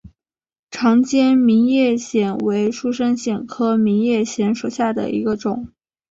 长尖明叶藓为树生藓科明叶藓属下的一个种。